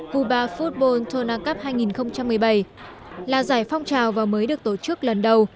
cuba football tona cup hai nghìn một mươi bảy là giải phong trào và mới được tổ chức lần đầu